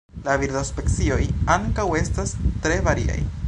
La birdospecioj ankaŭ estas tre variaj.